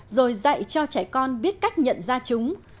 rồi dạy cho trẻ con biết cách nhận ra chúng